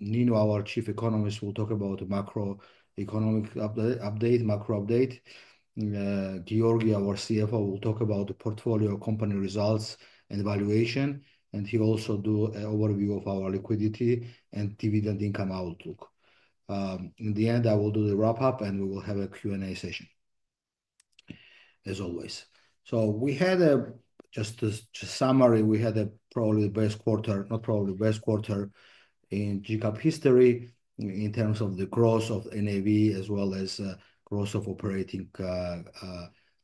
Nino, our Chief Economist, will talk about macroeconomic update, macro update. Giorgi, our CFO, will talk about the portfolio company results and evaluation, and he'll also do an overview of our liquidity and dividend income outlook. In the end, I will do the wrap-up, and we will have a Q&A session, as always. We had, just to summarize, the best quarter in GCAP history in terms of the growth of NAV as well as the growth of operating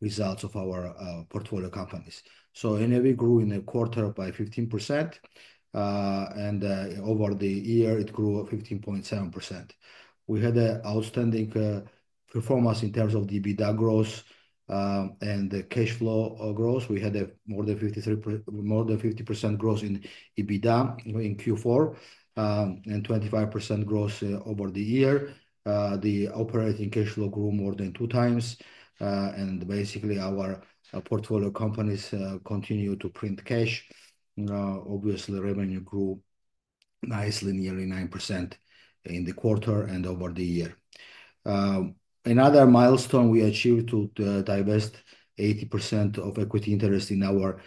results of our portfolio companies. NAV grew in a quarter by 15%, and over the year, it grew 15.7%. We had an outstanding performance in terms of EBITDA growth and cash flow growth. We had more than 50% growth in EBITDA in Q4 and 25% growth over the year. The operating cash flow grew more than two times, and basically, our portfolio companies continue to print cash. Obviously, revenue grew nicely, nearly 9% in the quarter and over the year. Another milestone we achieved to divest 80% of equity interest in our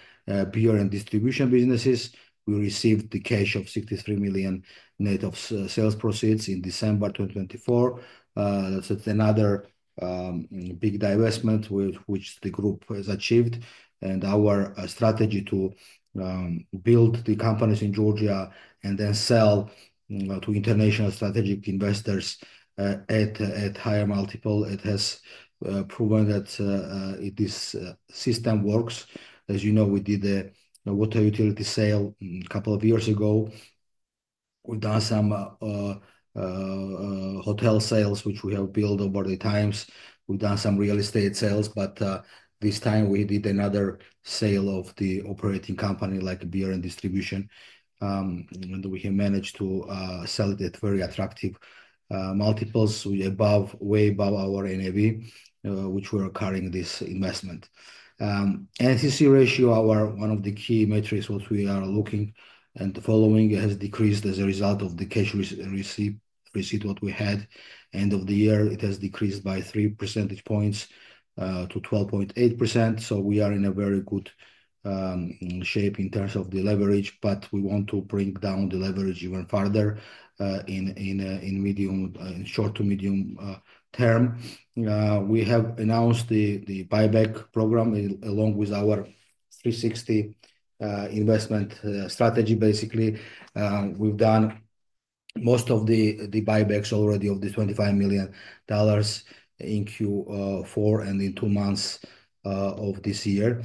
beer and distribution businesses. We received the cash of $63 million net of sales proceeds in December 2024. That's another big divestment which the group has achieved, and our strategy to build the companies in Georgia and then sell to international strategic investors at higher multiple. It has proven that this system works. As you know, we did a water utility sale a couple of years ago. We've done some hotel sales, which we have built over the times. We've done some real estate sales, but this time, we did another sale of the operating company like beer and distribution, and we have managed to sell it at very attractive multiples, way above our NAV, which we are carrying this investment. NCC ratio, our one of the key metrics what we are looking and following has decreased as a result of the cash receipt what we had end of the year. It has decreased by three percentage points to 12.8%. So we are in a very good shape in terms of the leverage, but we want to bring down the leverage even further in short to medium term. We have announced the buyback program along with our 360 investment strategy. Basically, we've done most of the buybacks already of the $25 million in Q4 and in two months of this year.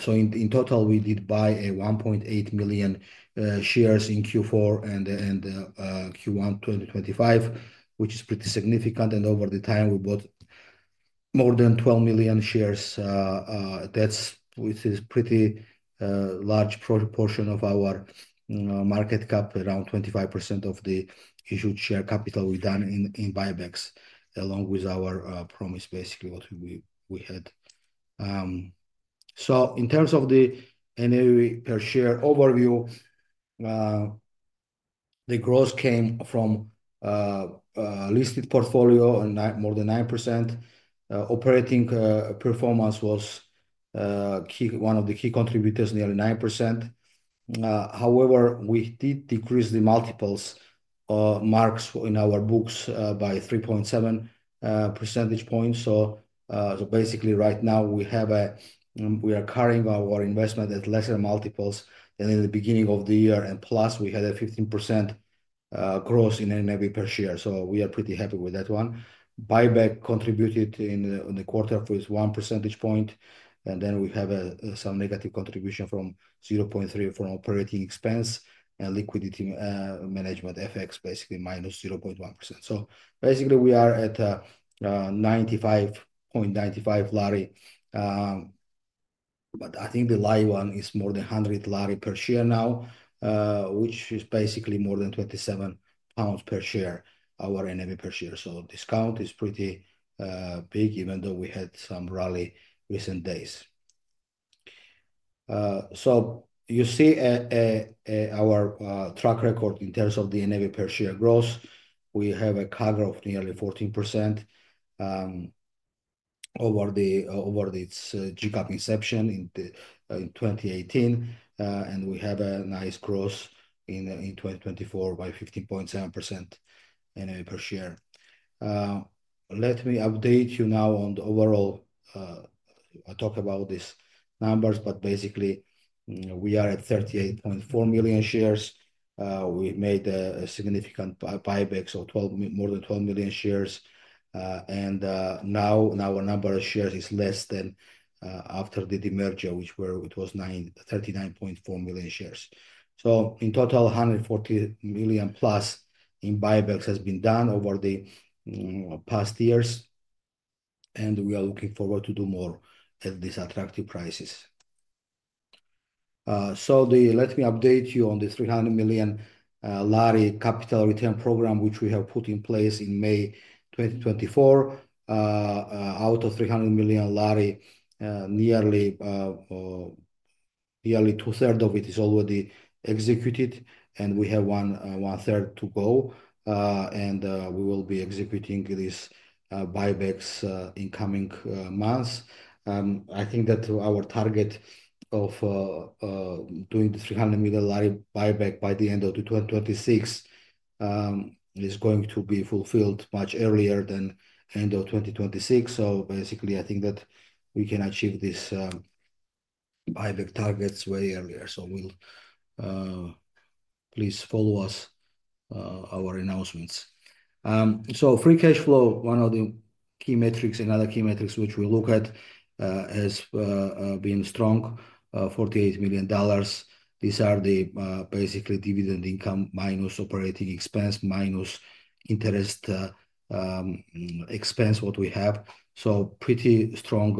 So in total, we did buy 1.8 million shares in Q4 and Q1 2025, which is pretty significant. And over the time, we bought more than 12 million shares. That's a pretty large proportion of our market cap, around 25% of the issued share capital we've done in buybacks along with our promise, basically, what we had. So in terms of the NAV per share overview, the growth came from listed portfolio and more than 9%. Operating performance was one of the key contributors, nearly 9%. However, we did decrease the multiples marks in our books by 3.7 percentage points. So basically, right now, we are carrying our investment at lesser multiples than in the beginning of the year, and plus we had a 15% growth in NAV per share. So we are pretty happy with that one. Buyback contributed in the quarter with one percentage point, and then we have some negative contribution from 0.3 from operating expense and liquidity management FX, basically minus 0.1%, so basically we are at GEL 95.95, but I think the low one is more than GEL 100 per share now, which is basically more than 27 pounds per share, our NAV per share, so discount is pretty big even though we had some rally recent days, so you see our track record in terms of the NAV per share growth. We have a cover of nearly 14% over its GCAP inception in 2018, and we have a nice growth in 2024 by 15.7% NAV per share. Let me update you now on the overall. I talk about these numbers, but basically we are at 38.4 million shares. We made a significant buyback, so more than 12 million shares. Now our number of shares is less than after the demerger, which was 39.4 million shares. In total, 140 million plus in buybacks has been done over the past years, and we are looking forward to do more at these attractive prices. Let me update you on the GEL 300 million capital return program, which we have put in place in May 2024. Out of GEL 300 million, nearly two-thirds of it is already executed, and we have one-third to go, and we will be executing these buybacks in coming months. I think that our target of doing the GEL 300 million buyback by the end of 2026 is going to be fulfilled much earlier than end of 2026. Basically, I think that we can achieve these buyback targets way earlier. Please follow us, our announcements. So, free cash flow, one of the key metrics and other key metrics which we look at, has been strong, $48 million. These are basically dividend income minus operating expense minus interest expense, what we have. So, pretty strong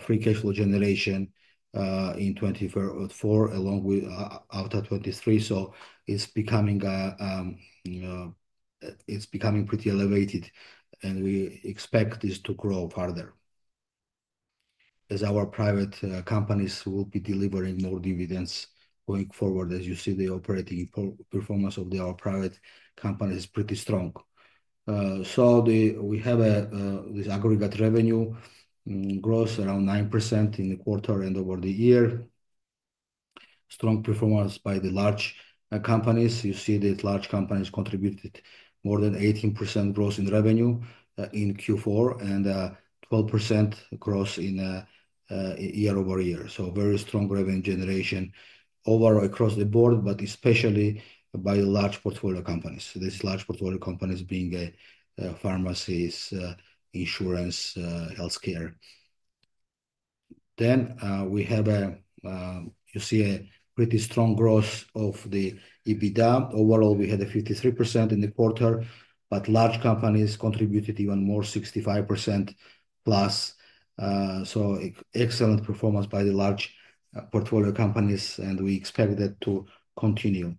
free cash flow generation in 2024 along with after 2023. So, it's becoming pretty elevated, and we expect this to grow further as our private companies will be delivering more dividends going forward. As you see, the operating performance of our private companies is pretty strong. So, we have this aggregate revenue growth around 9% in the quarter and over the year. Strong performance by the large companies. You see that large companies contributed more than 18% growth in revenue in Q4 and 12% growth year over year. So, very strong revenue generation overall across the board, but especially by large portfolio companies. This large portfolio companies being pharmacies, insurance, healthcare. Then we have, you see, a pretty strong growth of the EBITDA. Overall, we had a 53% in the quarter, but large companies contributed even more, 65%+. So excellent performance by the large portfolio companies, and we expect that to continue.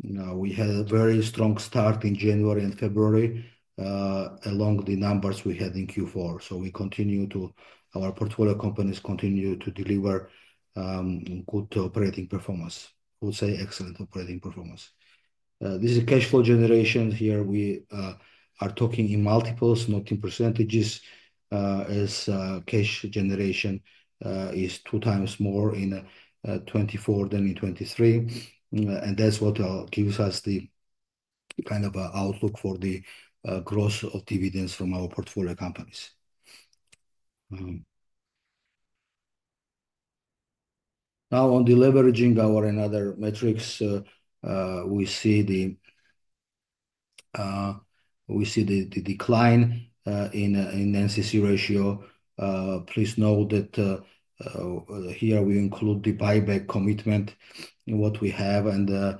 We had a very strong start in January and February along the numbers we had in Q4. So our portfolio companies continue to deliver good operating performance. We'll say excellent operating performance. This is cash flow generation. Here we are talking in multiples, not in percentages, as cash generation is two times more in 2024 than in 2023. And that's what gives us the kind of outlook for the growth of dividends from our portfolio companies. Now, on the leverage, our other metrics, we see the decline in NCC ratio. Please note that here we include the buyback commitment, what we have, and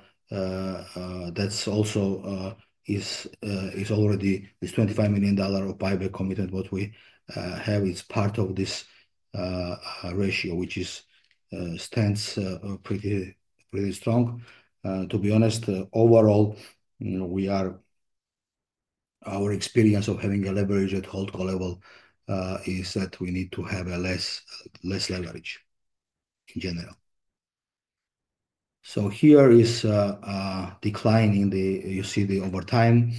that's also is already this $25 million of buyback commitment, what we have. It's part of this ratio, which stands pretty strong. To be honest, overall, our experience of having a leverage at Holdco level is that we need to have less leverage in general. So here is declining the, you see the over time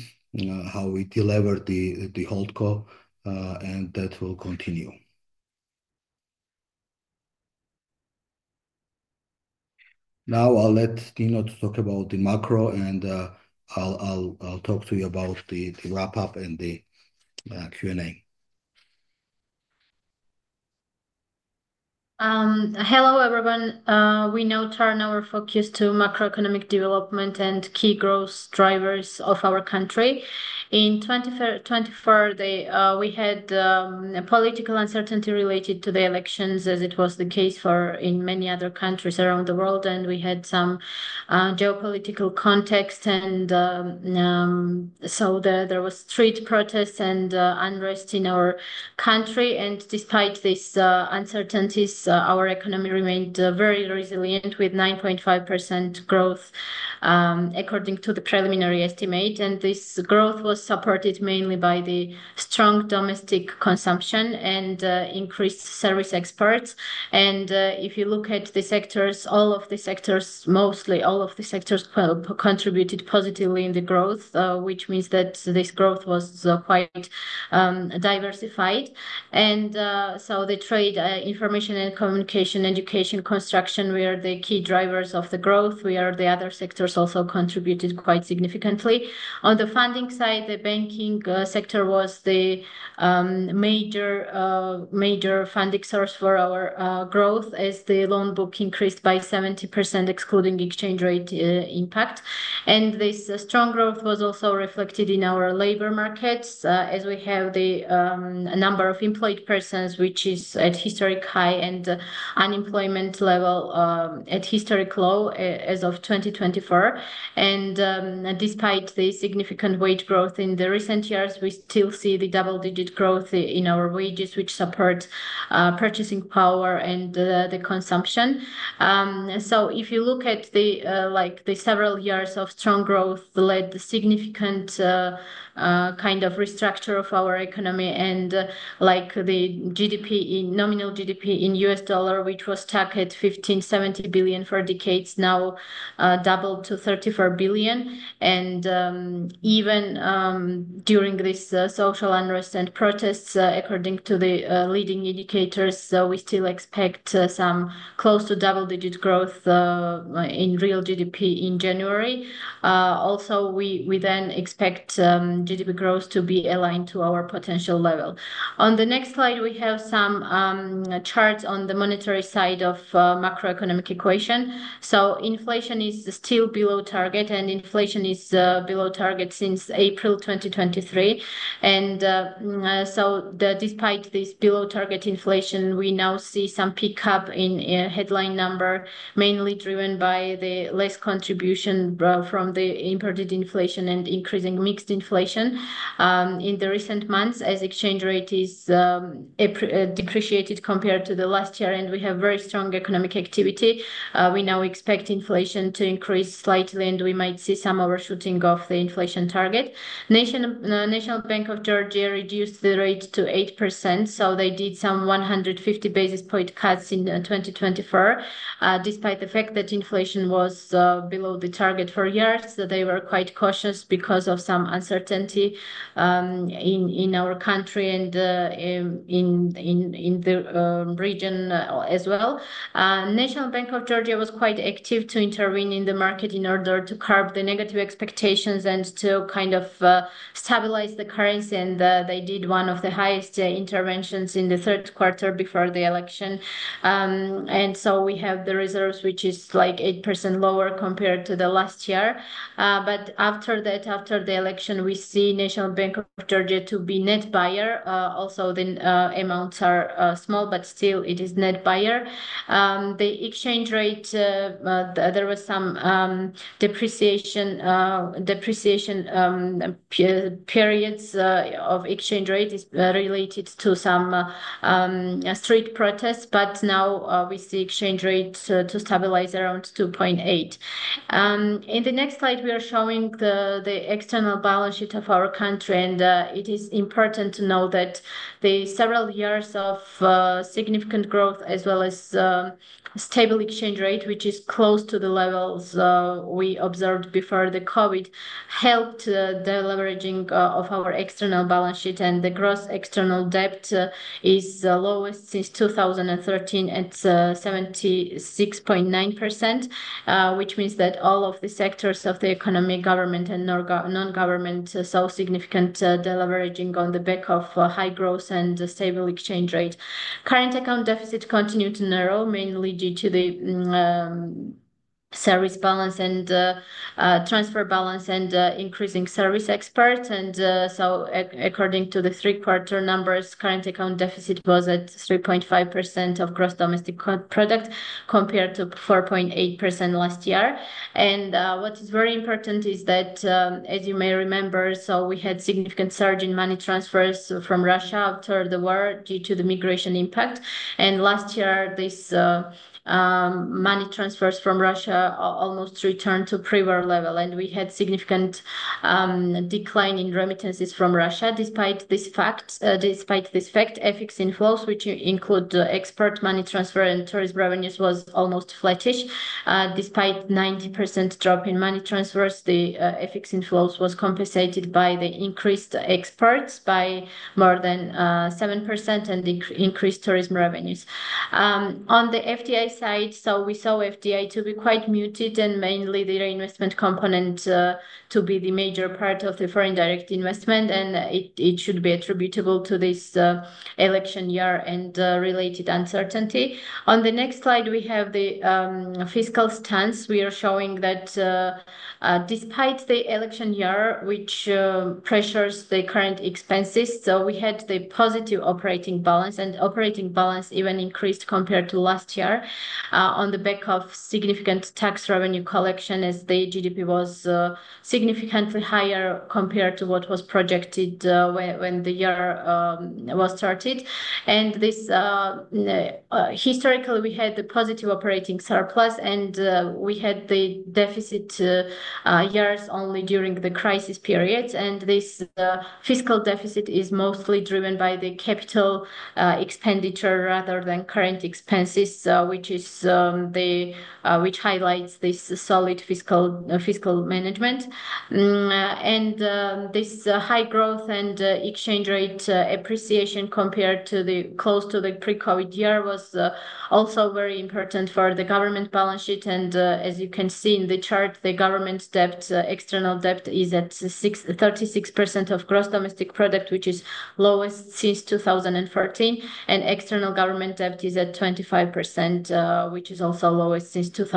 how we deliver the Holdco, and that will continue. Now I'll let Nino talk about the macro, and I'll talk to you about the wrap-up and the Q&A. Hello, everyone. We now turn our focus to macroeconomic development and key growth drivers of our country. In 2024, we had political uncertainty related to the elections, as it was the case in many other countries around the world, and we had some geopolitical context, and so there was street protests and unrest in our country. And despite these uncertainties, our economy remained very resilient with 9.5% growth according to the preliminary estimate, and this growth was supported mainly by the strong domestic consumption and increased service exports, and if you look at the sectors, all of the sectors, mostly all of the sectors contributed positively in the growth, which means that this growth was quite diversified, and so the trade information and communication education construction were the key drivers of the growth. Whereas the other sectors also contributed quite significantly. On the funding side, the banking sector was the major funding source for our growth as the loan book increased by 70%, excluding exchange rate impact. This strong growth was also reflected in our labor markets as the number of employed persons, which is at historic high and unemployment level at historic low as of 2024. Despite the significant wage growth in the recent years, we still see the double-digit growth in our wages, which supports purchasing power and the consumption. If you look at the several years of strong growth, it led to the significant kind of restructure of our economy and the nominal GDP in U.S. Dollar, which was stuck at $15 billion-$17 billion for decades, now doubled to $34 billion. Even during this social unrest and protests, according to the leading indicators, we still expect some close to double-digit growth in real GDP in January. Also, we then expect GDP growth to be aligned to our potential level. On the next slide, we have some charts on the monetary side of the macroeconomic equation. Inflation is still below target, and inflation is below target since April 2023. Despite this below target inflation, we now see some pickup in headline number, mainly driven by the less contribution from the imported inflation and increasing mixed inflation in the recent months as exchange rate is depreciated compared to the last year. We have very strong economic activity. We now expect inflation to increase slightly, and we might see some overshooting of the inflation target. National Bank of Georgia reduced the rate to 8%. So they did some 150 basis point cuts in 2024. Despite the fact that inflation was below the target for years, they were quite cautious because of some uncertainty in our country and in the region as well. National Bank of Georgia was quite active to intervene in the market in order to curb the negative expectations and to kind of stabilize the currency. And they did one of the highest interventions in the third quarter before the election. And so we have the reserves, which is like 8% lower compared to the last year. But after that, after the election, we see National Bank of Georgia to be net buyer. Also, the amounts are small, but still it is net buyer. The exchange rate, there was some depreciation periods of exchange rate is related to some street protests, but now we see exchange rate to stabilize around 2.8. In the next slide, we are showing the external balance sheet of our country, and it is important to know that the several years of significant growth as well as stable exchange rate, which is close to the levels we observed before the COVID, helped the leveraging of our external balance sheet. The gross external debt is lowest since 2013 at 76.9%, which means that all of the sectors of the economy, government and non-government, saw significant leveraging on the back of high growth and stable exchange rate. Current account deficit continued to narrow, mainly due to the service balance and transfer balance and increasing service exports. According to the three-quarter numbers, current account deficit was at 3.5% of gross domestic product compared to 4.8% last year. What is very important is that, as you may remember, so we had significant surge in money transfers from Russia after the war due to the migration impact. Last year, these money transfers from Russia almost returned to pre-war level, and we had significant decline in remittances from Russia. Despite this fact, FX inflows, which include export money transfer and tourism revenues, was almost flattish. Despite 90% drop in money transfers, the FX inflows was compensated by the increased exports by more than 7% and the increased tourism revenues. On the FDI side, so we saw FDI to be quite muted and mainly the reinvestment component to be the major part of the foreign direct investment, and it should be attributable to this election year and related uncertainty. On the next slide, we have the fiscal stance. We are showing that despite the election year, which pressures the current expenses, so we had the positive operating balance, and operating balance even increased compared to last year on the back of significant tax revenue collection as the GDP was significantly higher compared to what was projected when the year was started. And historically, we had the positive operating surplus, and we had the deficit years only during the crisis periods. And this fiscal deficit is mostly driven by the capital expenditure rather than current expenses, which highlights this solid fiscal management. And this high growth and exchange rate appreciation compared to the close to the pre-COVID year was also very important for the government balance sheet. And as you can see in the chart, the government debt, external debt is at 36% of gross domestic product, which is lowest since 2014. External government debt is at 25%, which is also lowest since 2014. As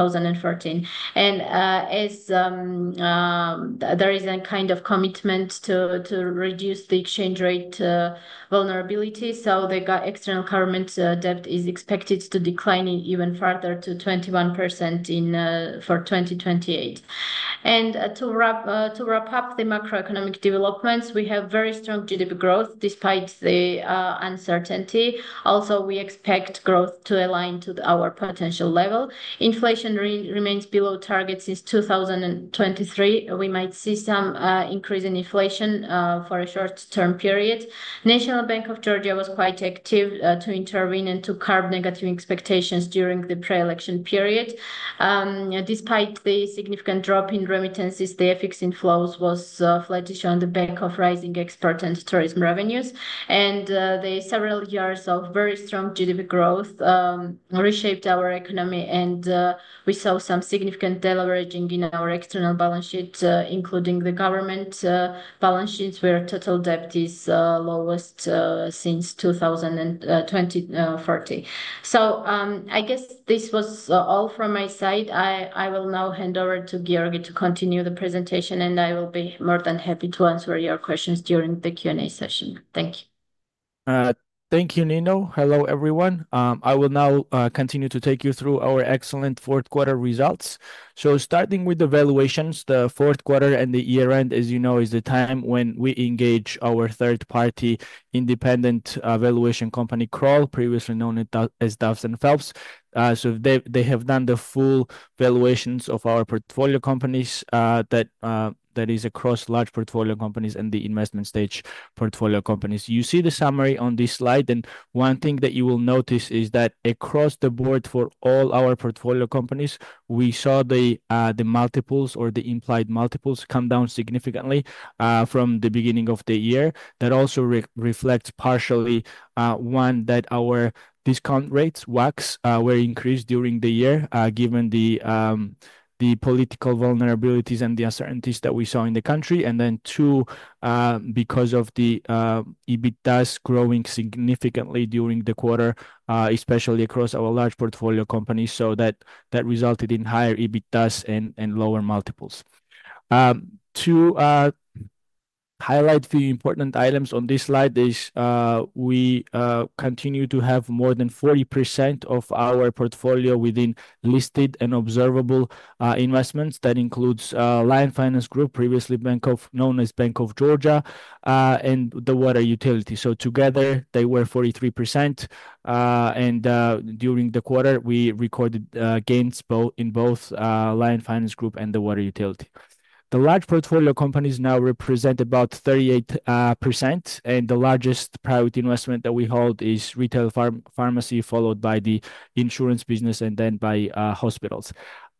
there is a kind of commitment to reduce the exchange rate vulnerability, so the external government debt is expected to decline even further to 21% for 2028. To wrap up the macroeconomic developments, we have very strong GDP growth despite the uncertainty. Also, we expect growth to align to our potential level. Inflation remains below target since 2023. We might see some increase in inflation for a short-term period. National Bank of Georgia was quite active to intervene and to curb negative expectations during the pre-election period. Despite the significant drop in remittances, the FX inflows was flattish on the back of rising export and tourism revenues. The several years of very strong GDP growth reshaped our economy, and we saw some significant leveraging in our external balance sheet, including the government balance sheets, where total debt is lowest since 2014. I guess this was all from my side. I will now hand over to Georgi to continue the presentation, and I will be more than happy to answer your questions during the Q&A session. Thank you. Thank you, Nino. Hello, everyone. I will now continue to take you through our excellent fourth quarter results. So starting with the valuations, the fourth quarter and the year-end, as you know, is the time when we engage our third-party independent valuation company, Kroll, previously known as Duff & Phelps. So they have done the full valuations of our portfolio companies that is across large portfolio companies and the investment-stage portfolio companies. You see the summary on this slide, and one thing that you will notice is that across the board for all our portfolio companies, we saw the multiples or the implied multiples come down significantly from the beginning of the year. That also reflects partially one that our discount rates, WACCs, were increased during the year given the political vulnerabilities and the uncertainties that we saw in the country. And then two, because of the EBITDAs growing significantly during the quarter, especially across our large portfolio companies, so that resulted in higher EBITDAs and lower multiples. To highlight the important items on this slide, we continue to have more than 40% of our portfolio within listed and observable investments. That includes Bank of Georgia, previously known as Bank of Georgia, and the water utility. So together, they were 43%. And during the quarter, we recorded gains in both Bank of Georgia and the water utility. The large portfolio companies now represent about 38%, and the largest private investment that we hold is retail pharmacy, followed by the insurance business and then by hospitals.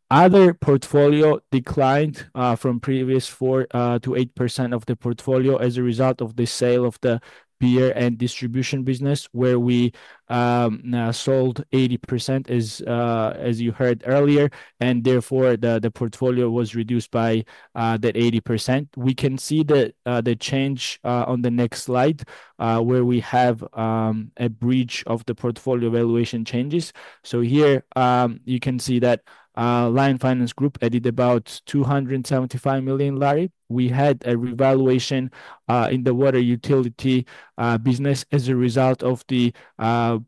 Other portfolio declined from previous four to eight% of the portfolio as a result of the sale of the beer and distribution business, where we sold 80%, as you heard earlier, and therefore the portfolio was reduced by that 80%. We can see the change on the next slide, where we have a bridge of the portfolio valuation changes. So here you can see that Bank of Georgia Group added about $275 million. We had a revaluation in the water utility business as a result of the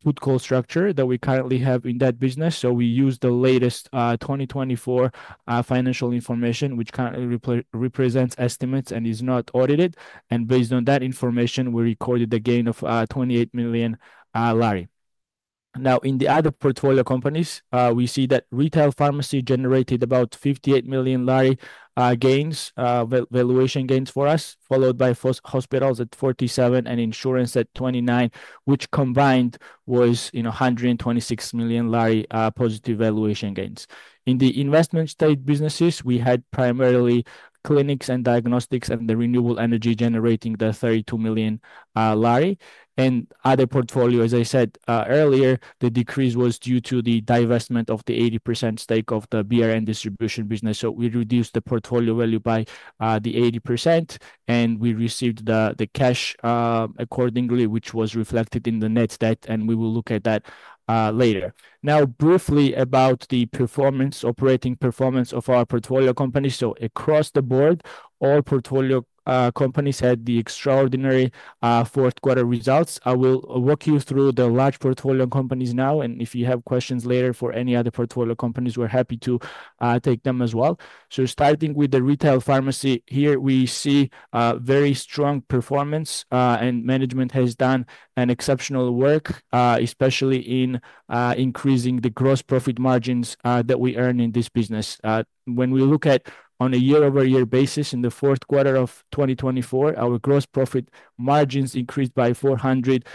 put-call structure that we currently have in that business. So we used the latest 2024 financial information, which currently represents estimates and is not audited. And based on that information, we recorded the gain of $28 million. Now, in the other portfolio companies, we see that retail pharmacy generated about GEL 58 million gains, valuation gains for us, followed by hospitals at GEL 47 and insurance at GEL 29, which combined was GEL 126 million positive valuation gains. In the investment-stage businesses, we had primarily clinics and diagnostics and the renewable energy generating the GEL 32 million. And other portfolio, as I said earlier, the decrease was due to the divestment of the 80% stake of the beer and distribution business. So we reduced the portfolio value by the 80%, and we received the cash accordingly, which was reflected in the net debt, and we will look at that later. Now, briefly about the performance, operating performance of our portfolio companies. So across the board, all portfolio companies had the extraordinary fourth-quarter results. I will walk you through the large portfolio companies now, and if you have questions later for any other portfolio companies, we're happy to take them as well, starting with the retail pharmacy here. We see very strong performance, and management has done an exceptional work, especially in increasing the gross profit margins that we earn in this business. When we look at on a year-over-year basis in the fourth quarter of 2024, our gross profit margins increased by 420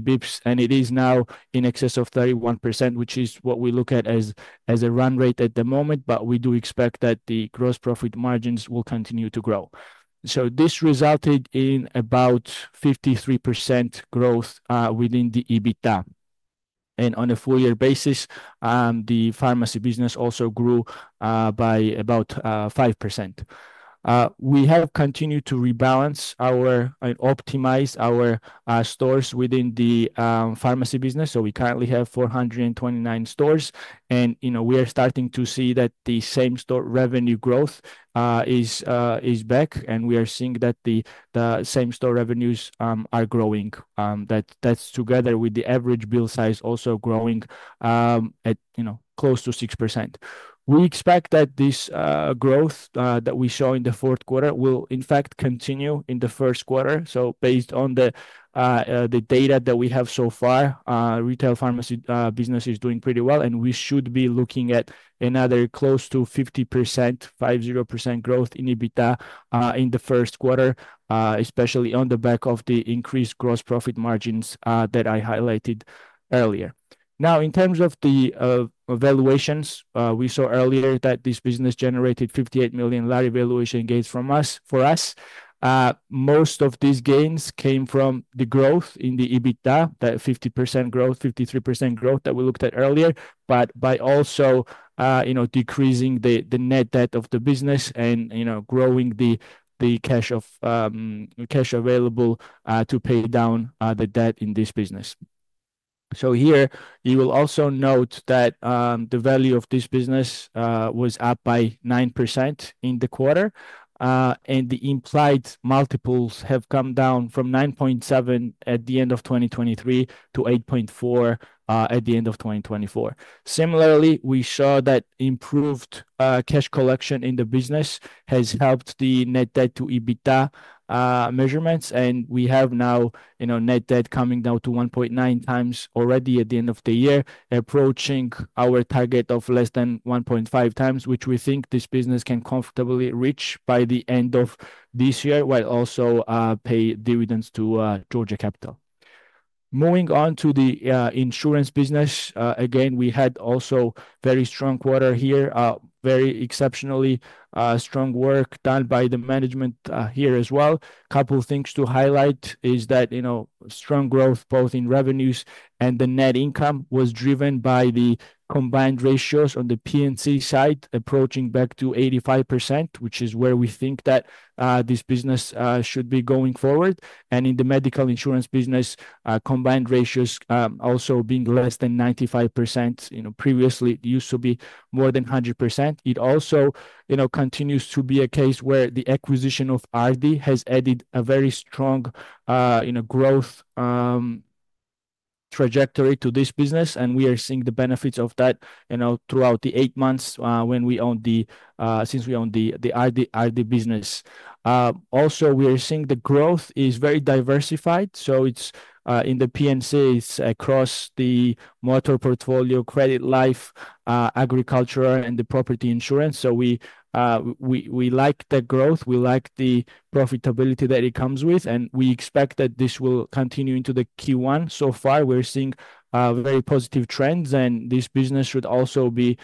basis points, and it is now in excess of 31%, which is what we look at as a run rate at the moment, but we do expect that the gross profit margins will continue to grow. This resulted in about 53% growth within the EBITDA. On a four-year basis, the pharmacy business also grew by about 5%. We have continued to rebalance our and optimize our stores within the pharmacy business. So we currently have 429 stores, and we are starting to see that the same store revenue growth is back, and we are seeing that the same store revenues are growing. That's together with the average bill size also growing at close to 6%. We expect that this growth that we show in the fourth quarter will, in fact, continue in the first quarter. So based on the data that we have so far, retail pharmacy business is doing pretty well, and we should be looking at another close to 50%, 50% growth in EBITDA in the first quarter, especially on the back of the increased gross profit margins that I highlighted earlier. Now, in terms of the valuations, we saw earlier that this business generated 58 million GEL valuation gains for us. Most of these gains came from the growth in the EBITDA, that 50% growth, 53% growth that we looked at earlier, but by also decreasing the net debt of the business and growing the cash available to pay down the debt in this business. So here, you will also note that the value of this business was up by 9% in the quarter, and the implied multiples have come down from 9.7 at the end of 2023 to 8.4 at the end of 2024. Similarly, we saw that improved cash collection in the business has helped the net debt to EBITDA measurements, and we have now net debt coming down to 1.9 times already at the end of the year, approaching our target of less than 1.5 times, which we think this business can comfortably reach by the end of this year while also pay dividends to Georgia Capital. Moving on to the insurance business, again, we had also very strong quarter here, very exceptionally strong work done by the management here as well. A couple of things to highlight is that strong growth both in revenues and the net income was driven by the combined ratios on the P&C side approaching back to 85%, which is where we think that this business should be going forward. In the medical insurance business, combined ratios also being less than 95%. Previously, it used to be more than 100%. It also continues to be a case where the acquisition of Ardi has added a very strong growth trajectory to this business, and we are seeing the benefits of that throughout the eight months since we own the Ardi business. Also, we are seeing the growth is very diversified. So it's in the P&C, it's across the motor portfolio, credit life, agriculture, and the property insurance. So we like the growth, we like the profitability that it comes with, and we expect that this will continue into the Q1. So far, we're seeing very positive trends, and this business should also be,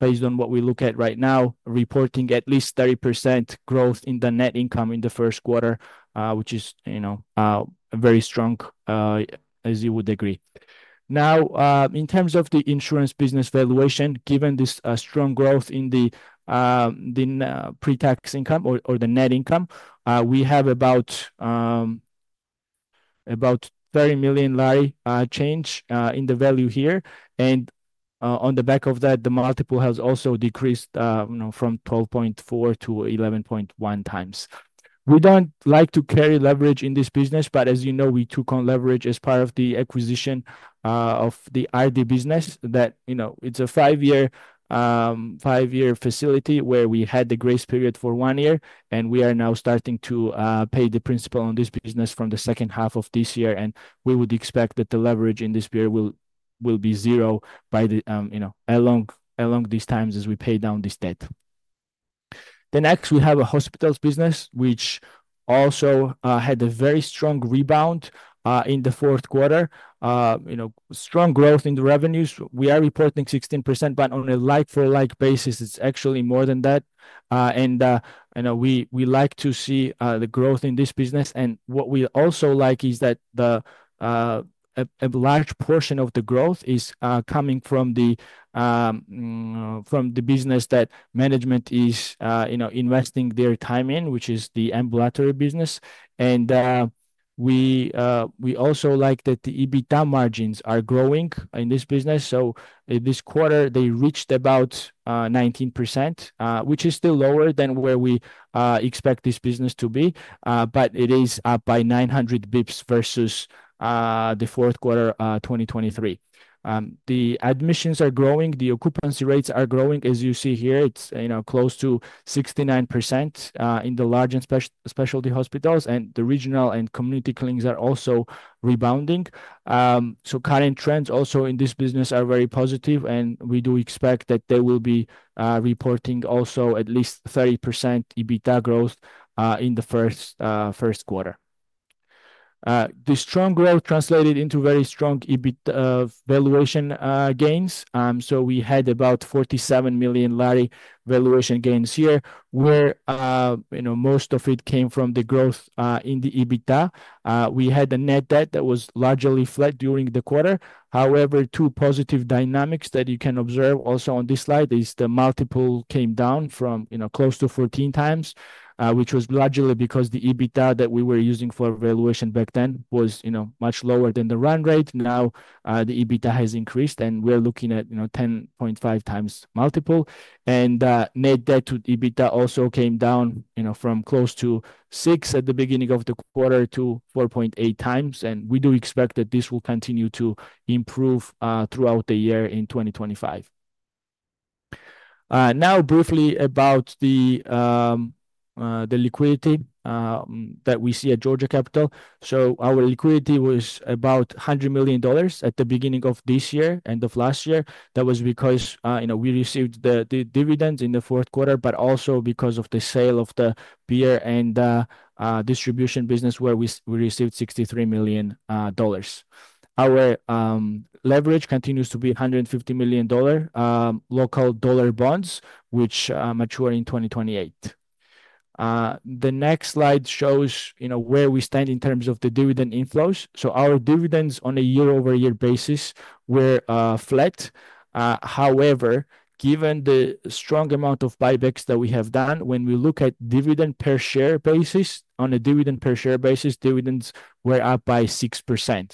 based on what we look at right now, reporting at least 30% growth in the net income in the first quarter, which is a very strong, as you would agree. Now, in terms of the insurance business valuation, given this strong growth in the pre-tax income or the net income, we have about 30 million GEL change in the value here. And on the back of that, the multiple has also decreased from 12.4 to 11.1 times. We don't like to carry leverage in this business, but as you know, we took on leverage as part of the acquisition of the Ardi business. It's a five-year facility where we had the grace period for one year, and we are now starting to pay the principal on this business from the second half of this year, and we would expect that the leverage in this year will be zero along these times as we pay down this debt. Next, we have a hospitals business, which also had a very strong rebound in the fourth quarter. Strong growth in the revenues. We are reporting 16%, but on a like-for-like basis, it's actually more than that, and we like to see the growth in this business. What we also like is that a large portion of the growth is coming from the business that management is investing their time in, which is the ambulatory business. We also like that the EBITDA margins are growing in this business. This quarter, they reached about 19%, which is still lower than where we expect this business to be, but it is up by 900 basis points versus the fourth quarter 2023. The admissions are growing. The occupancy rates are growing, as you see here. It's close to 69% in the large and specialty hospitals, and the regional and community clinics are also rebounding. Current trends also in this business are very positive, and we do expect that they will be reporting also at least 30% EBITDA growth in the first quarter. The strong growth translated into very strong valuation gains. We had about GEL 47 million valuation gains here, where most of it came from the growth in the EBITDA. We had a net debt that was largely flat during the quarter. However, two positive dynamics that you can observe also on this slide is the multiple came down from close to 14 times, which was largely because the EBITDA that we were using for valuation back then was much lower than the run rate. Now, the EBITDA has increased, and we're looking at 10.5 times multiple. And net debt to EBITDA also came down from close to six at the beginning of the quarter to 4.8 times. And we do expect that this will continue to improve throughout the year in 2025. Now, briefly about the liquidity that we see at Georgia Capital. Our liquidity was about $100 million at the beginning of this year, end of last year. That was because we received the dividends in the fourth quarter, but also because of the sale of the beer and distribution business, where we received $63 million. Our leverage continues to be $150 million, local dollar bonds, which mature in 2028. The next slide shows where we stand in terms of the dividend inflows. Our dividends on a year-over-year basis were flat. However, given the strong amount of buybacks that we have done, when we look at dividend per share basis, on a dividend per share basis, dividends were up by 6%.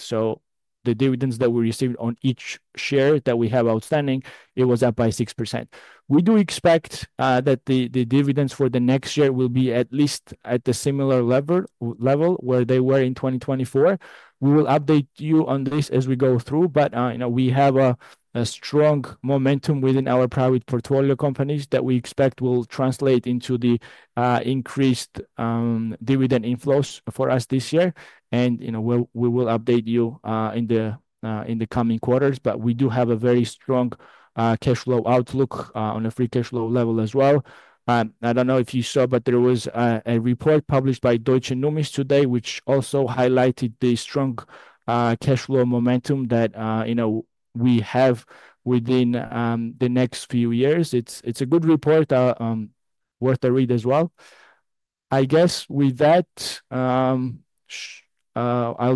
The dividends that we received on each share that we have outstanding, it was up by 6%. We do expect that the dividends for the next year will be at least at the similar level where they were in 2024. We will update you on this as we go through, but we have a strong momentum within our private portfolio companies that we expect will translate into the increased dividend inflows for us this year. We will update you in the coming quarters, but we do have a very strong cash flow outlook on a free cash flow level as well. I don't know if you saw, but there was a report published by Deutsche Numis today, which also highlighted the strong cash flow momentum that we have within the next few years. It's a good report worth a read as well. I guess with that, I'll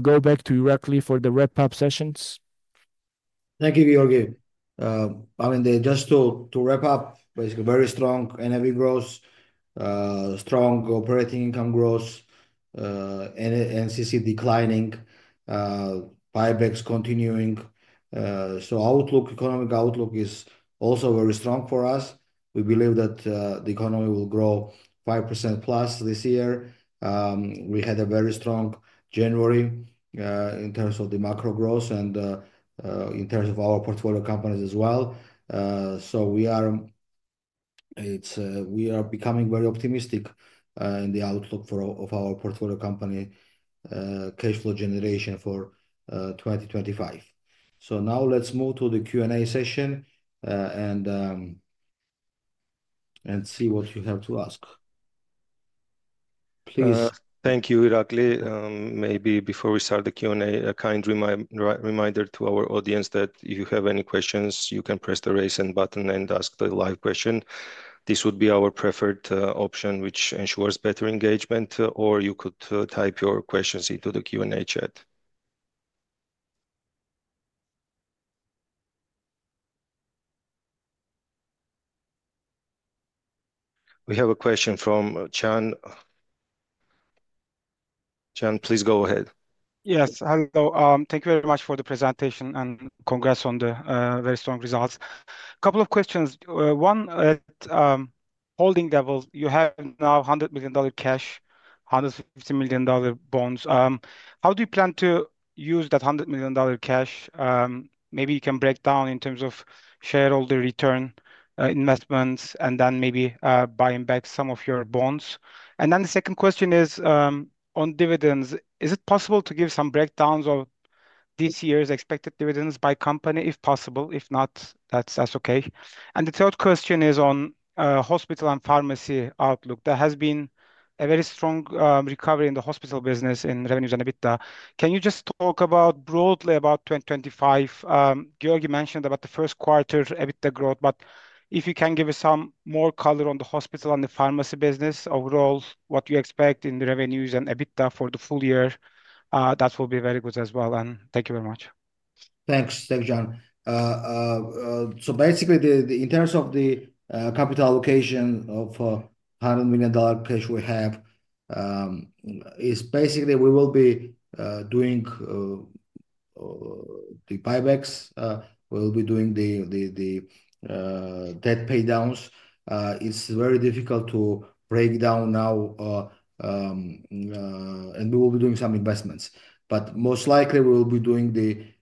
go back to Irakli for the wrap-up sessions. Thank you, Giorgi. I mean, just to wrap up, basically, very strong NAV growth, strong operating income growth, NCC declining, buybacks continuing. So economic outlook is also very strong for us. We believe that the economy will grow 5% plus this year. We had a very strong January in terms of the macro growth and in terms of our portfolio companies as well. So we are becoming very optimistic in the outlook of our portfolio company cash flow generation for 2025. So now let's move to the Q&A session and see what you have to ask. Please. Thank you, Irakli. Maybe before we start the Q&A, a kind reminder to our audience that if you have any questions, you can press the raise hand button and ask the live question. This would be our preferred option, which ensures better engagement, or you could type your questions into the Q&A chat. We have a question from John. John, please go ahead. Yes. Hello. Thank you very much for the presentation and congrats on the very strong results. A couple of questions. One at holding level, you have now $100 million cash, $150 million bonds. How do you plan to use that $100 million cash? Maybe you can break down in terms of shareholder return investments and then maybe buying back some of your bonds. And then the second question is on dividends, is it possible to give some breakdowns of this year's expected dividends by company, if possible? If not, that's okay. And the third question is on hospital and pharmacy outlook. There has been a very strong recovery in the hospital business in revenues and EBITDA. Can you just talk broadly about 2025? Georgi mentioned about the first quarter EBITDA growth, but if you can give us some more color on the hospital and the pharmacy business overall, what you expect in the revenues and EBITDA for the full year, that will be very good as well, and thank you very much. Thanks, John, so basically, in terms of the capital allocation of $100 million cash we have, it's basically we will be doing the buybacks. We'll be doing the debt paydowns. It's very difficult to break down now, and we will be doing some investments, but most likely, we will be doing the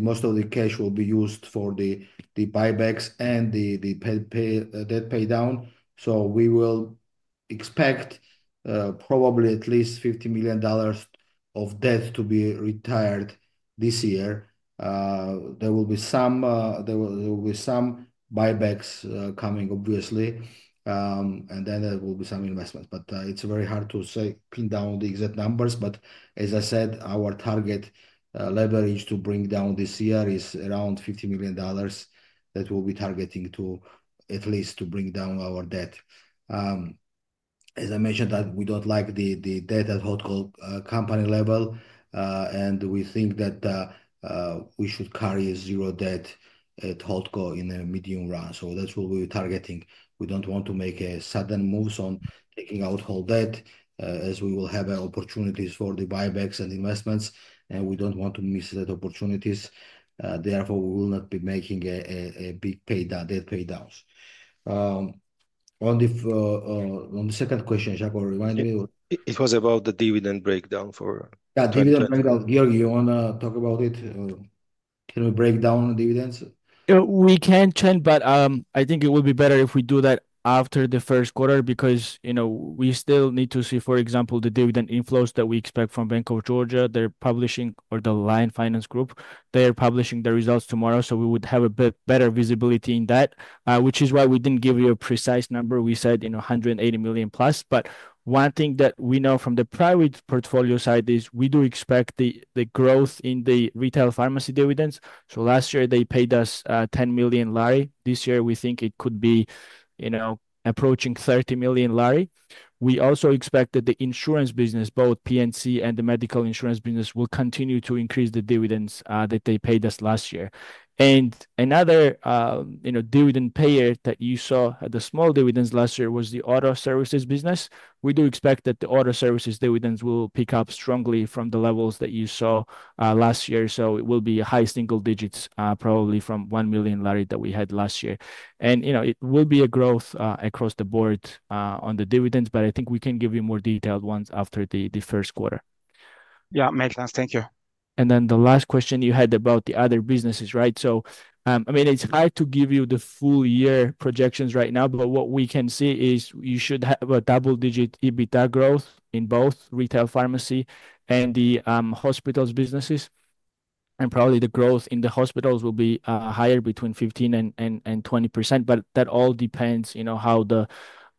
most of the cash will be used for the buybacks and the debt paydown, so we will expect probably at least $50 million of debt to be retired this year. There will be some buybacks coming, obviously, and then there will be some investments. But it's very hard to pin down the exact numbers. But as I said, our target leverage to bring down this year is around $50 million that we'll be targeting to at least bring down our debt. As I mentioned, we don't like the debt at Holdco company level. And we think that we should carry zero debt at Holdco in a medium run. So that's what we're targeting. We don't want to make sudden moves on taking out whole debt as we will have opportunities for the buybacks and investments. And we don't want to miss that opportunities. Therefore, we will not be making a big debt paydowns. On the second question, Jacques, remind me. It was about the dividend breakdown for. Yeah, dividend breakdown. Georgi, you want to talk about it? Can we break down dividends? We can chat, but I think it would be better if we do that after the first quarter because we still need to see, for example, the dividend inflows that we expect from Bank of Georgia. They're publishing, or the Bank of Georgia, they're publishing the results tomorrow. So we would have a bit better visibility in that, which is why we didn't give you a precise number. We said 180 million plus. But one thing that we know from the private portfolio side is we do expect the growth in the retail pharmacy dividends. So last year, they paid us GEL 10 million. This year, we think it could be approaching GEL 30 million. We also expect that the insurance business, both P&C and the medical insurance business, will continue to increase the dividends that they paid us last year. Another dividend payer that you saw at the small dividends last year was the auto services business. We do expect that the auto services dividends will pick up strongly from the levels that you saw last year. It will be high single digits, probably from 1 million GEL that we had last year. It will be a growth across the board on the dividends, but I think we can give you more detailed ones after the first quarter. Yeah, makes sense. Thank you. Then the last question you had about the other businesses, right? I mean, it's hard to give you the full year projections right now, but what we can see is you should have a double-digit EBITDA growth in both retail pharmacy and the hospitals businesses. Probably the growth in the hospitals will be higher between 15% and 20%, but that all depends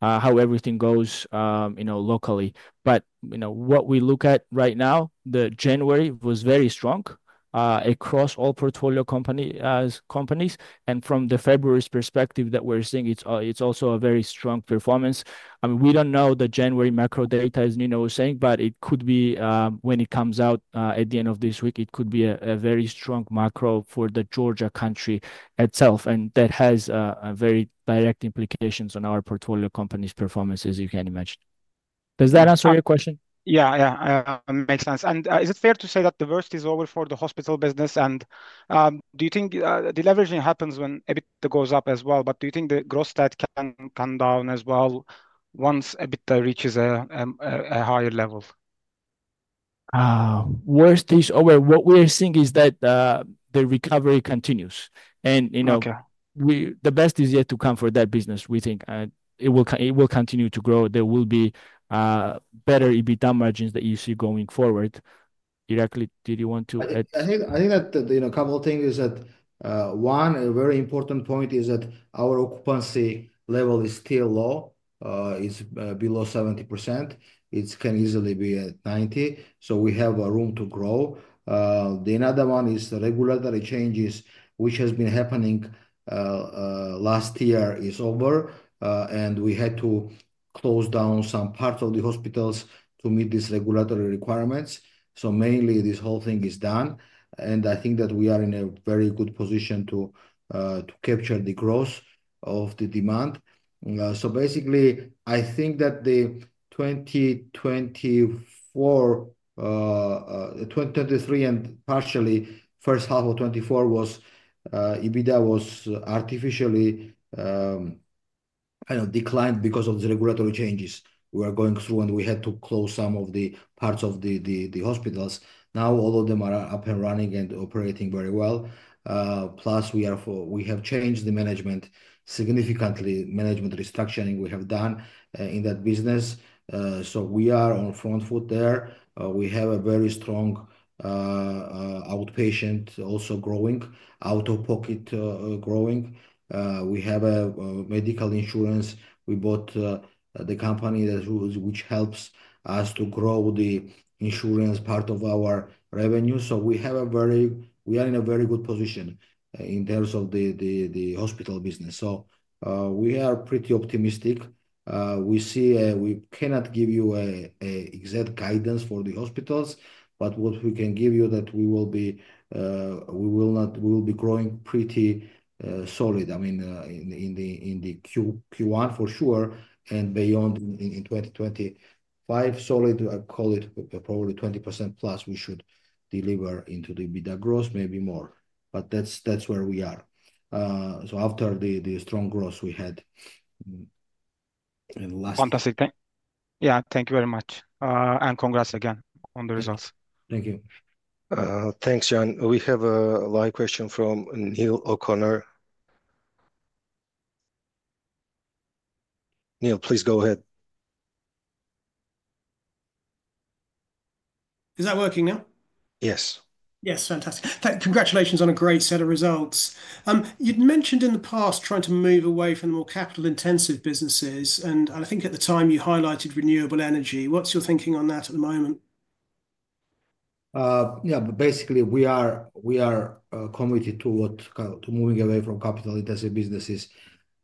how everything goes locally. What we look at right now, January was very strong across all portfolio companies. From the February's perspective that we're seeing, it's also a very strong performance. I mean, we don't know the January macro data as Nino was saying, but it could be when it comes out at the end of this week, it could be a very strong macro for the Georgia country itself. That has very direct implications on our portfolio company's performance, as you can imagine. Does that answer your question? Yeah, yeah. Makes sense. Is it fair to say that the worst is over for the hospital business? And do you think the leveraging happens when EBITDA goes up as well, but do you think the growth stat can come down as well once EBITDA reaches a higher level? Worst is over. What we're seeing is that the recovery continues. And the best is yet to come for that business, we think. It will continue to grow. There will be better EBITDA margins that you see going forward. Irakli, did you want to add? I think that a couple of things is that one very important point is that our occupancy level is still low. It's below 70%. It can easily be at 90%. So we have room to grow. The other one is the regulatory changes, which has been happening last year is over. And we had to close down some parts of the hospitals to meet these regulatory requirements. So mainly, this whole thing is done. I think that we are in a very good position to capture the growth of the demand. So basically, I think that the 2023 and partially first half of 2024 EBITDA was artificially declined because of the regulatory changes we were going through, and we had to close some of the parts of the hospitals. Now, all of them are up and running and operating very well. Plus, we have changed the management significantly. Management restructuring we have done in that business. We are on the front foot there. We have a very strong outpatient also growing, out-of-pocket growing. We have medical insurance. We bought the company which helps us to grow the insurance part of our revenue. We are in a very good position in terms of the hospital business. We are pretty optimistic. We cannot give you exact guidance for the hospitals, but what we can give you that we will be growing pretty solid. I mean, in the Q1 for sure, and beyond in 2025, solid. I call it probably 20% plus. We should deliver into the EBITDA growth, maybe more. But that's where we are. So after the strong growth we had in the last. Fantastic. Yeah, thank you very much and congrats again on the results. Thank you. Thanks, John. We have a live question from Niall O'Connor. Neil, please go ahead. Is that working now? Yes. Yes, fantastic. Congratulations on a great set of results. You'd mentioned in the past trying to move away from the more capital-intensive businesses. I think at the time you highlighted renewable energy. What's your thinking on that at the moment? Yeah, basically, we are committed to moving away from capital-intensive businesses,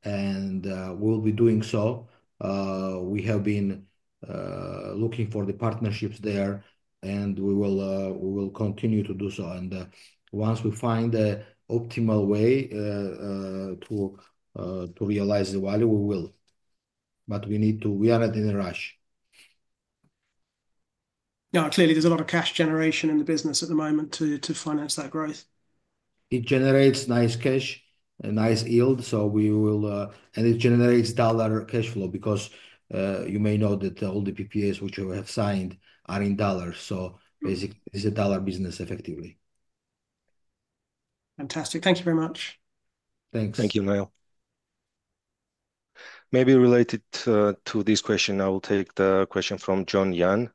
and we'll be doing so. We have been looking for the partnerships there, and we will continue to do so. And once we find the optimal way to realize the value, we will. But we are not in a rush. Yeah, clearly, there's a lot of cash generation in the business at the moment to finance that growth. It generates nice cash, nice yield. And it generates dollar cash flow because you may know that all the PPAs which we have signed are in dollars. So basically, it's a dollar business, effectively. Fantastic. Thank you very much. Thanks. Thank you, Giorgi. Maybe related to this question, I will take the question from John Young.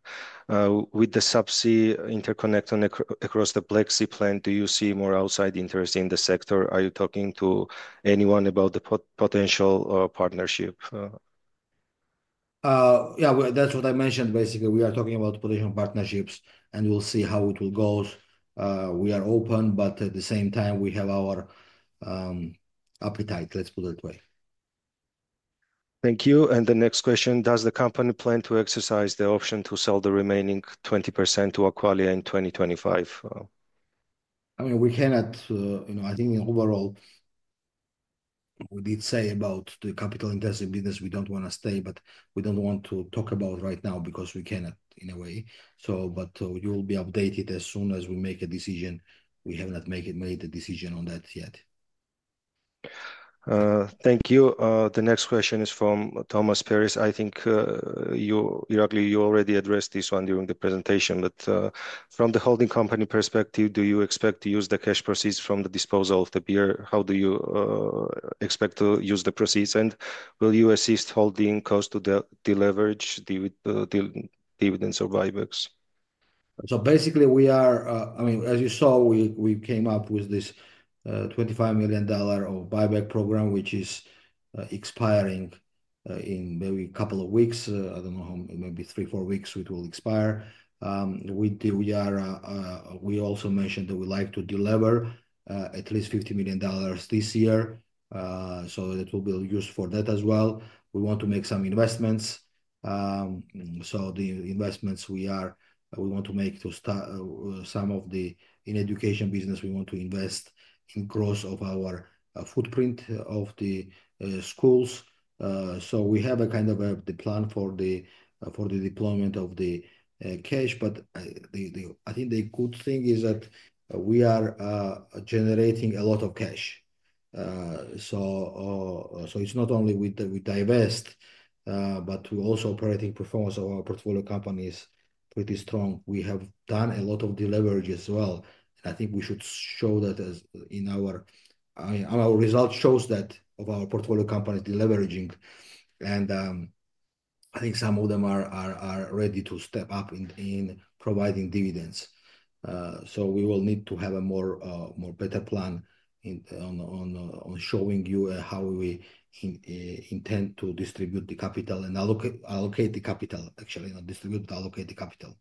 With the subsea interconnect across the Black Sea plan, do you see more outside interest in the sector? Are you talking to anyone about the potential partnership? Yeah, that's what I mentioned. Basically, we are talking about potential partnerships, and we'll see how it will go. We are open, but at the same time, we have our appetite, let's put it that way. Thank you. And the next question, does the company plan to exercise the option to sell the remaining 20% to Aqualia in 2025? I mean, we cannot. I think overall, we did say about the capital-intensive business, we don't want to stay, but we don't want to talk about right now because we cannot in a way. But you'll be updated as soon as we make a decision. We have not made a decision on that yet. Thank you. The next question is from Thomas Peers. I think, Irakli, you already addressed this one during the presentation, but from the holding company perspective, do you expect to use the cash proceeds from the disposal of the beer? How do you expect to use the proceeds? And will you assist holding costs to deleverage dividends or buybacks? So basically, I mean, as you saw, we came up with this $25 million buyback program, which is expiring in maybe a couple of weeks. I don't know, maybe three, four weeks. It will expire. We also mentioned that we like to deliver at least $50 million this year. So it will be used for that as well. We want to make some investments. So the investments we want to make to some of the education business, we want to invest in growth of our footprint of the schools. So we have a kind of a plan for the deployment of the cash. But I think the good thing is that we are generating a lot of cash. So it's not only we divest, but we're also operating performance of our portfolio companies pretty strong. We have done a lot of deleveraging as well. And I think we should show that in our results shows that of our portfolio companies deleveraging. And I think some of them are ready to step up in providing dividends. So we will need to have a more better plan on showing you how we intend to distribute the capital and allocate the capital, actually, not distribute, allocate the capital.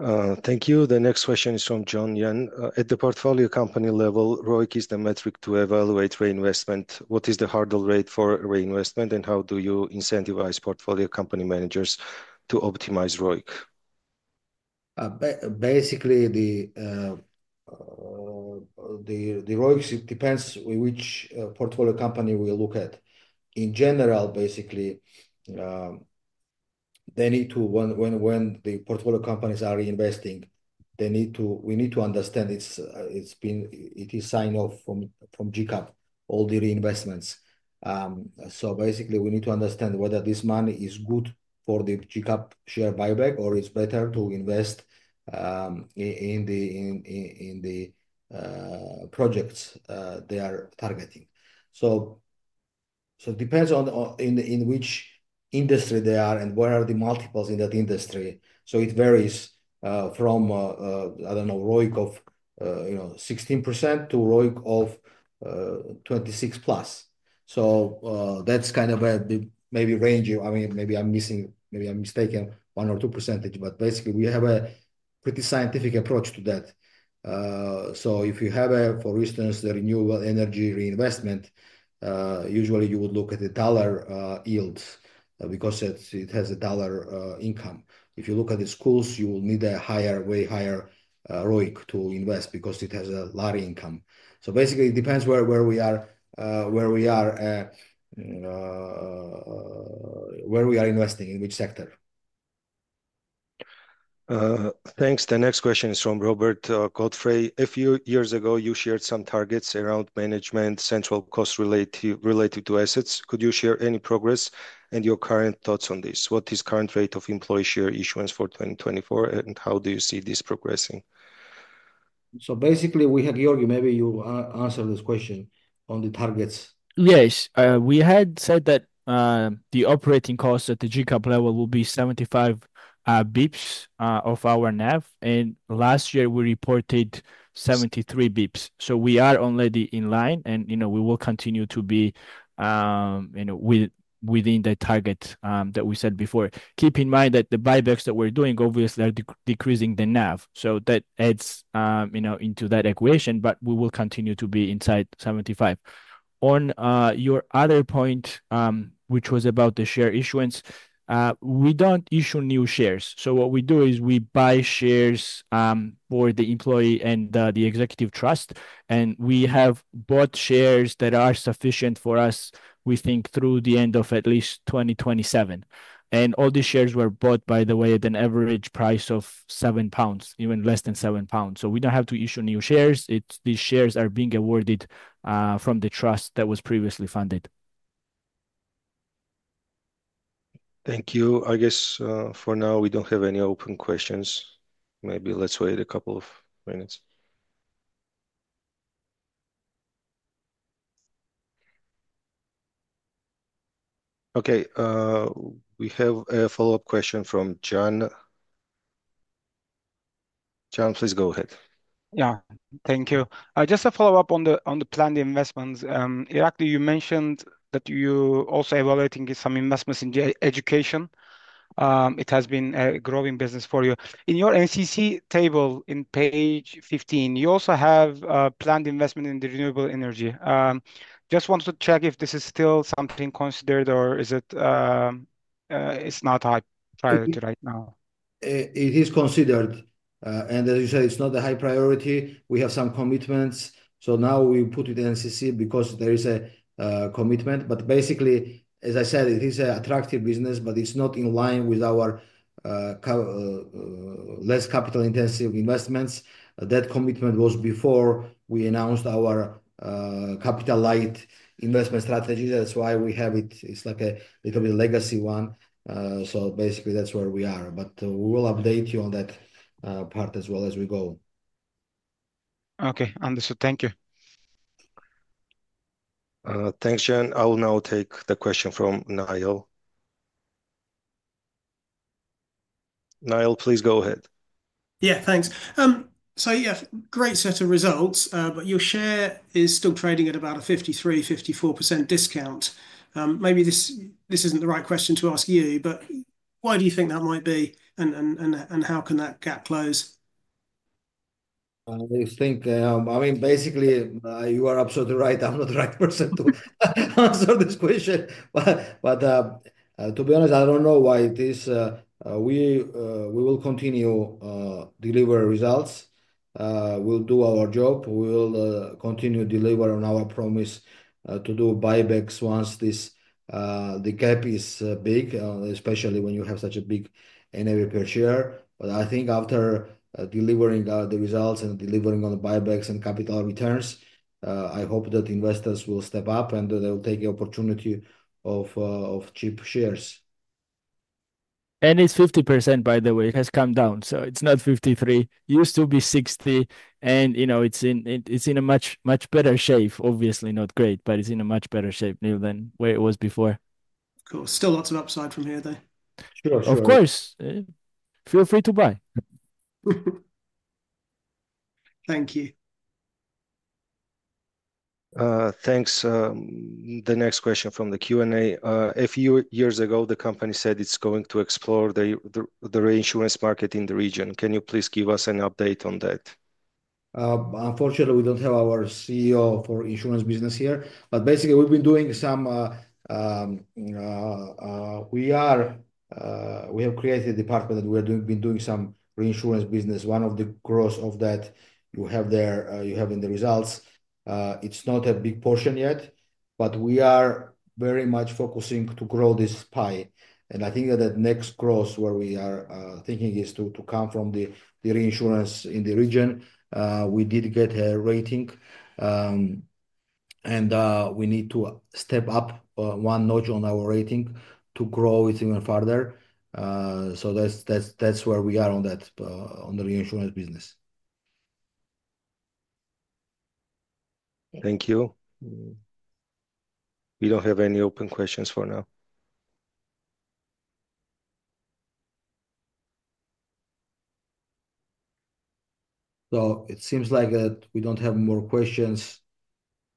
Thank you. The next question is from John Young. At the portfolio company level, ROIC is the metric to evaluate reinvestment. What is the hurdle rate for reinvestment, and how do you incentivize portfolio company managers to optimize ROIC? Basically, the ROICs. It depends which portfolio company we look at. In general, basically, when the portfolio companies are reinvesting, we need to understand it's signed off from GCAP, all the reinvestments. So basically, we need to understand whether this money is good for the GCAP share buyback or it's better to invest in the projects they are targeting. So it depends on in which industry they are and where are the multiples in that industry. So it varies from, I don't know, ROIC of 16% to ROIC of 26%+. So that's kind of a maybe range. I mean, maybe I'm missing, maybe I'm mistaken, one or two percentage, but basically, we have a pretty scientific approach to that. So if you have a, for instance, the renewable energy reinvestment, usually you would look at the dollar yields because it has a dollar income. If you look at the schools, you will need a higher, way higher ROIC to invest because it has a lot of income. So basically, it depends where we are investing in which sector. Thanks. The next question is from Robert Godfrey. A few years ago, you shared some targets around management, central costs related to assets. Could you share any progress and your current thoughts on this? What is current rate of employee share issuance for 2024, and how do you see this progressing? So basically, we had your maybe you answered this question on the targets. Yes. We had said that the operating cost at the GCAP level will be 75 basis points of our NAV. And last year, we reported 73 basis points. So we are already in line, and we will continue to be within the target that we said before. Keep in mind that the buybacks that we're doing, obviously, are decreasing the NAV. So that adds into that equation, but we will continue to be inside 75. On your other point, which was about the share issuance, we don't issue new shares. So what we do is we buy shares for the employee and the executive trust. And we have bought shares that are sufficient for us, we think, through the end of at least 2027. And all these shares were bought, by the way, at an average price of 7 pounds, even less than 7 pounds. So we don't have to issue new shares. These shares are being awarded from the trust that was previously funded. Thank you. I guess for now, we don't have any open questions. Maybe let's wait a couple of minutes. Okay. We have a follow-up question from John. John, please go ahead. Yeah. Thank you. Just a follow-up on the planned investments. Irakli, you mentioned that you're also evaluating some investments in education. It has been a growing business for you. In your NCC table on page 15, you also have planned investment in the renewable energy. Just wanted to check if this is still something considered or it's not a high priority right now. It is considered, and as you said, it's not a high priority. We have some commitments. So now we put it in NCC because there is a commitment, but basically, as I said, it is an attractive business, but it's not in line with our less capital-intensive investments. That commitment was before we announced our capital-light investment strategy. That's why we have it. It's like a little bit legacy one. So basically, that's where we are. But we will update you on that part as well as we go. Okay. Understood. Thank you. Thanks, John. I will now take the question from Niall. Niall, please go ahead. Yeah, thanks. So you have a great set of results, but your share is still trading at about a 53-54% discount. Maybe this isn't the right question to ask you, but why do you think that might be, and how can that gap close? I think, I mean, basically, you are absolutely right. I'm not the right person to answer this question. But to be honest, I don't know why it is. We will continue to deliver results. We'll do our job. We will continue to deliver on our promise to do buybacks once the gap is big, especially when you have such a big NAV per share. But I think after delivering the results and delivering on the buybacks and capital returns, I hope that investors will step up and they'll take the opportunity of cheap shares. And it's 50%, by the way. It has come down. So it's not 53%. It used to be 60%. And it's in a much better shape. Obviously, not great, but it's in a much better shape than where it was before. Cool. Still lots of upside from here, though. Sure, sure. Of course. Feel free to buy. Thank you. Thanks. The next question from the Q&A. A few years ago, the company said it's going to explore the reinsurance market in the region. Can you please give us an update on that? Unfortunately, we don't have our CEO for insurance business here. But basically, we've been doing some. We have created a department that we've been doing some reinsurance business. One of the growths of that you have there in the results. It's not a big portion yet, but we are very much focusing to grow this pie. And I think that the next growth where we are thinking is to come from the reinsurance in the region. We did get a rating. And we need to step up one notch on our rating to grow it even further. So that's where we are on the reinsurance business. Thank you. We don't have any open questions for now. So it seems like that we don't have more questions.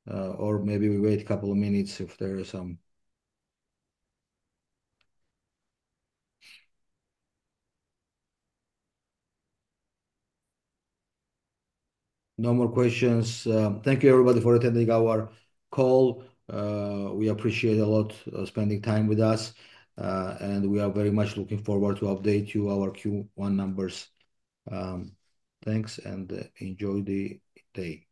Or maybe we wait a couple of minutes if there are some. No more questions. Thank you, everybody, for attending our call. We appreciate a lot spending time with us, and we are very much looking forward to update you our Q1 numbers. Thanks, and enjoy the day.